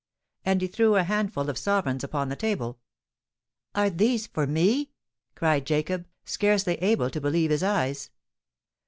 And he threw a handful of sovereigns upon the table. "Are these for me?" cried Jacob, scarcely able to believe his eyes.